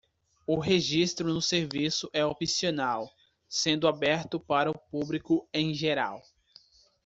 O registro no serviço é opcional, sendo aberto para o público em geral.